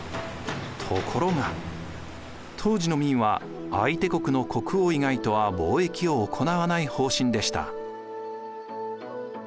ところが当時の明は相手国の国王以外とは貿易を行わない方針でした。